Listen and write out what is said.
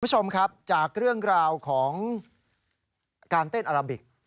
คุณผู้ชมครับจากเรื่องราวของการเต้นอาราบิก